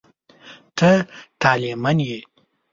ته طالع من یې.